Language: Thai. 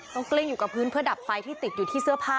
กลิ้งอยู่กับพื้นเพื่อดับไฟที่ติดอยู่ที่เสื้อผ้า